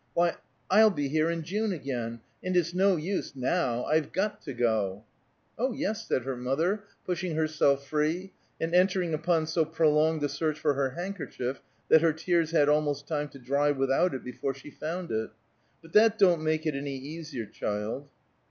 Why I'll be here in June again! And it's no use, now. I've got to go." "Oh, yes," said her mother, pushing herself free, and entering upon so prolonged a search for her handkerchief that her tears had almost time to dry without it before she found it. "But that don't make it any easier, child."